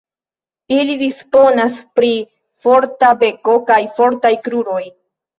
Ili disponas pri forta beko kaj fortaj kruroj.